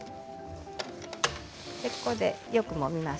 ここで、よくもみます。